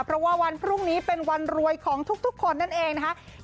เพราะว่าวันพรุ่งนี้เป็นวันรวยของทุกคนนั่นเองนะคะ